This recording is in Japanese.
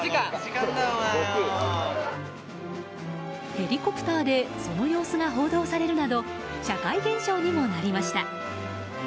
ヘリコプターでその様子が報道されるなど社会現象にもなりました。